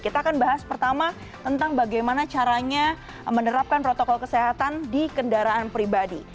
kita akan bahas pertama tentang bagaimana caranya menerapkan protokol kesehatan di kendaraan pribadi